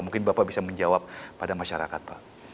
mungkin bapak bisa menjawab pada masyarakat pak